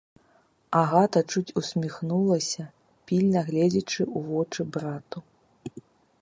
Агата чуць усміхнулася, пільна гледзячы ў вочы брату.